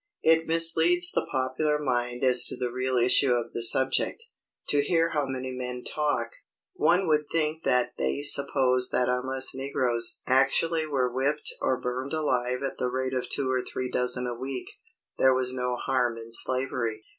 It misleads the popular mind as to the real issue of the subject. To hear many men talk, one would think that they supposed that unless negroes actually were whipped or burned alive at the rate of two or three dozen a week, there was no harm in slavery.